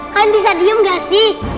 kalian bisa diem gak sih